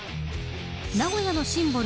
名古屋のシンボル